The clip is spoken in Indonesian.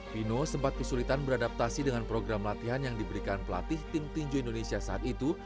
pino sempat kesulitan beradaptasi dengan program latihan yang diberikan pelatih tim tinju indonesia saat itu